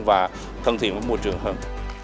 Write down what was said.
và thân thiện với môi trường hơn